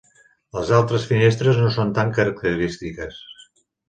Les altres finestres no són tan característiques.